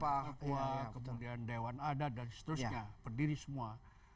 papua kemudian dewan adat dan seterusnya berdiri semua